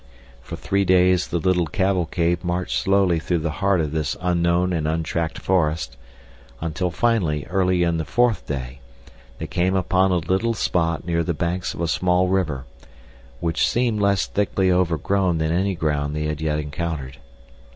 For three days the little cavalcade marched slowly through the heart of this unknown and untracked forest, until finally, early in the fourth day, they came upon a little spot near the banks of a small river, which seemed less thickly overgrown than any ground they had yet encountered.